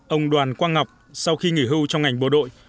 ông đoàn quang ngọc sau khi nghỉ hưu trong ngành bộ đội